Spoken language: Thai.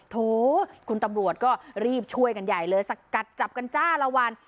โถคุณตำรวจก็รีบช่วยกันใหญ่เลยสกัดจับกันจ้าละวัน